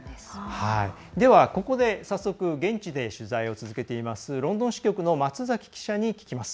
ではここで早速現地で取材を続けていますロンドン支局の松崎記者に聞きます。